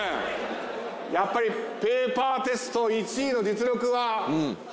やっぱりペーパーテスト１位の実力は本物でしたね。